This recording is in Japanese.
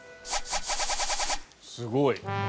すごい。